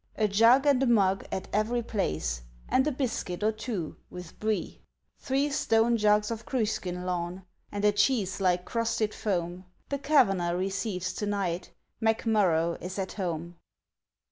A jug and a mug at every place, And a biscuit or two with Brie! Three stone jugs of Cruiskeen Lawn, And a cheese like crusted foam! The Kavanagh receives to night! McMurrough is at home!